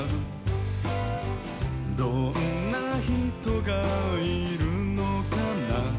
「どんなひとがいるのかな」